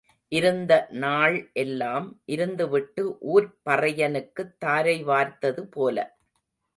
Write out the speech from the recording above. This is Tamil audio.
இருந்த நாள் எல்லாம் இருந்துவிட்டு ஊர்ப் பறையனுக்குத் தாரை வார்த்தது போல.